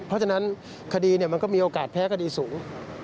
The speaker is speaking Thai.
เพราะฉะนั้นคดีมันก็มีโอกาสแพ้คดีสูง